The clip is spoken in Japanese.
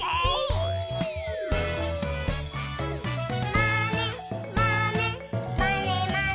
「まねまねまねまね」